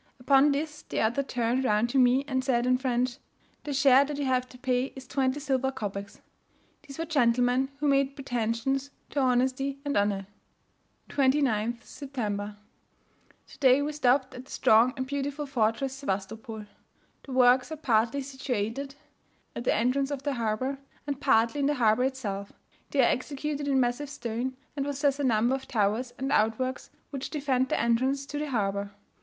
Upon this the other turned round to me, and said in French, "The share that you have to pay is twenty silver kopecs." These were gentlemen who made pretensions to honesty and honour. 29th September. Today we stopped at the strong and beautiful fortress Sewastopol. The works are partly situated at the entrance of the harbour, and partly in the harbour itself; they are executed in massive stone, and possess a number of towers and outworks which defend the entrance to the harbour.